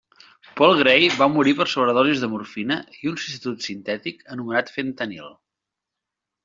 Paul Gray va morir per sobredosis de morfina i un substitut sintètic anomenat fentanil.